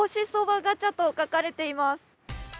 ガチャと書かれています。